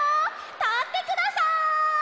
たってください！